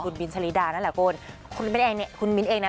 คุณบินชะลิดานั่นแหละคุณคุณมิ้นเองเนี่ยคุณมิ้นท์เองนะ